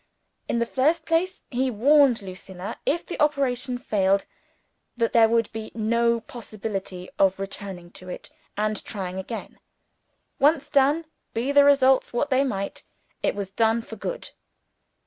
In the first place, he warned Lucilla, if the operation failed, that there would be no possibility of returning to it, and trying it again. Once done, be the results what they might, it was done for good.